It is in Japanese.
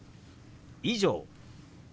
「以上」。